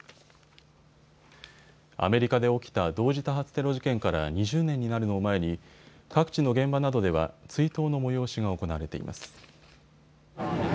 アメリカで起きた同時多発テロ事件から２０年になるのを前に各地の現場などでは追悼の催しが行われています。